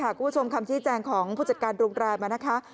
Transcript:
คุณผู้ชมคำชี้แจงของผู้จัดการโรงแรมมานะคะ